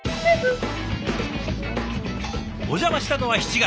お邪魔したのは７月。